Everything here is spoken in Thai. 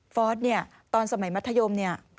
อสเนี่ยตอนสมัยมัธยมเนี่ย